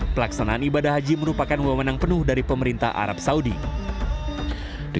pelaksanaan ibadah haji merupakan wewenang penuh dari pemerintah arab saudi